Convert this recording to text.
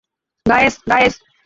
Guys, guys.